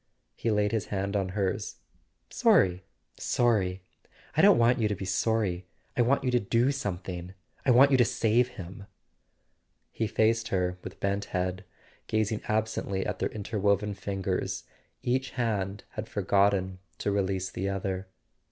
He laid his hand on hers. " Sorry—sorry ? I don't want you to be sorry. I want you to do something—I want you to save him!" He faced her with bent head, gazing absently at their interwoven fingers: each hand had forgotten to release the other.